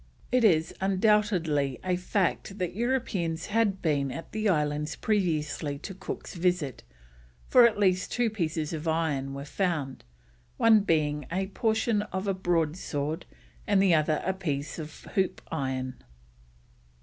It is undoubtedly a fact that Europeans had been at the islands previously to Cook's visit, for at least two pieces of iron were found, one being a portion of a broad sword and the other a piece of hoop iron.